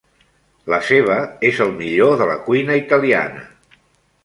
La seva és el millor de la cuina italiana.